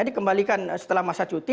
dikembalikan setelah masa cuti